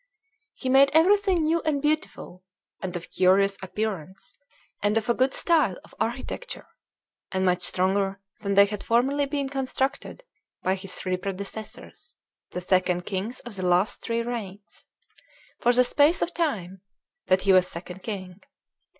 "He made everything new and beautiful, and of curious appearance, and of a good style of architecture, and much stronger than they had formerly been constructed by his three predecessors, the second kings of the last three reigns, for the space of time that he was second king.